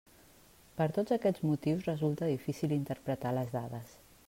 Per tots aquests motius resulta difícil interpretar les dades.